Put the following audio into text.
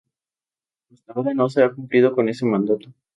Hasta ahora no se ha cumplido con ese mandato.